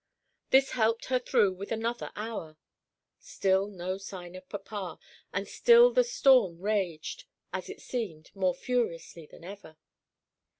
This helped her through with another hour. Still no sign of papa, and still the storm raged, as it seemed, more furiously than ever.